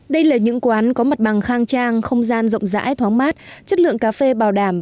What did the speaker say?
đây là những quán có mặt bằng khang trang không gian rộng rãi thoáng mát chất lượng cà phê bảo đảm